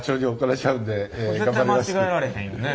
絶対間違えられへんよね。